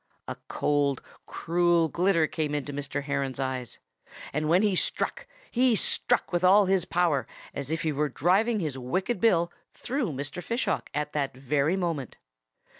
A cold, cruel glitter came into Mr. Heron's eyes. And when he struck, he struck with all his power, as if he were driving his wicked bill through Mr. Fish Hawk that very moment.